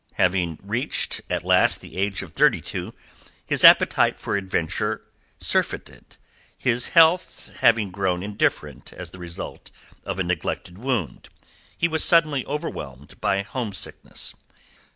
Having reached, at last, the age of thirty two, his appetite for adventure surfeited, his health having grown indifferent as the result of a neglected wound, he was suddenly overwhelmed by homesickness.